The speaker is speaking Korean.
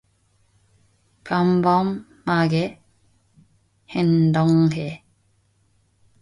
평범하게 행동해.